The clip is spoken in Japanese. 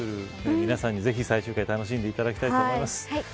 皆さんにぜひ最終回楽しんでいただきたいと思います。